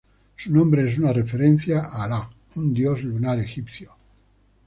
Su nombre es una referencia a Iah, un dios lunar egipcio.